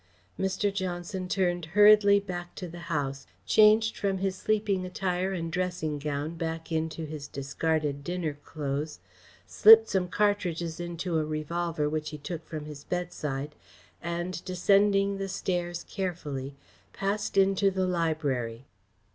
Mr. Johnson turned hurriedly back to the house, changed from his sleeping attire and dressing gown back into his discarded dinner clothes, slipped some cartridges into a revolver which he took from his bedside, and, descending the stairs carefully, passed into the library.